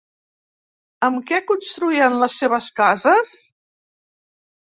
Amb què construïen les seves cases?